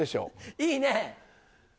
いいね。